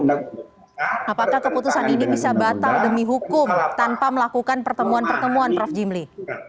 apakah keputusan ini bisa batal demi hukum tanpa melakukan pertemuan pertemuan prof jimli